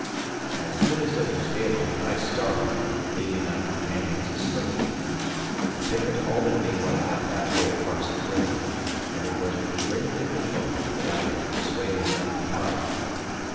As soon as it was daylight, I started, leaving mycompanions asleep. A picket halted me when I got halfway across the river, and it was with great difficulty that I could persuade him not to fire.